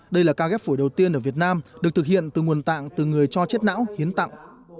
đây là ca ghép phổi đầu tiên ở việt nam được thực hiện từ nguồn tạng từ người cho chết não hiến tặng